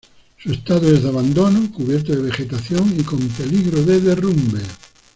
Su estado es de abandono, cubierto de vegetación y con peligro de derrumbe.